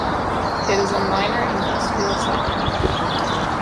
It is a minor industrial center.